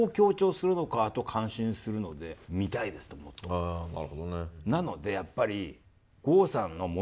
へなるほどね。